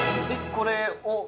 これを。